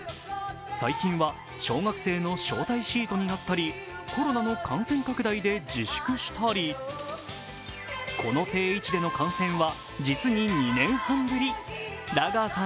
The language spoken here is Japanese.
最近は小学生の招待シートになったりコロナの感染拡大で自粛したりこの定位置での観戦は実に２年半ぶり。